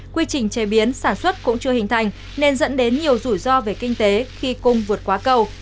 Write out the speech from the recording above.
quy trình chế biến sản xuất cũng chưa hình thành nên dẫn đến nhiều rủi ro về kinh tế khi cung vượt quá cầu